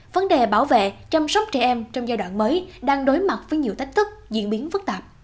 vấn đề bảo vệ chăm sóc trẻ em trong giai đoạn mới đang đối mặt với nhiều thách thức diễn biến phức tạp